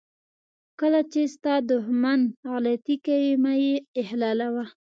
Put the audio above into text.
کله چې ستا دښمن غلطي کوي مه یې اخلالوه.